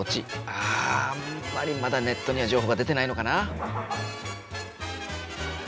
あんまりまだネットには情報が出てないのかな？